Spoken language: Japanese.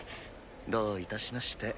どういたしまして。